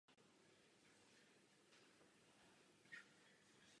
Na jeho potlačování se podílelo i moravské vojsko.